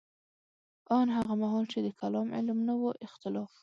ان هغه مهال چې د کلام علم نه و اختلاف وو.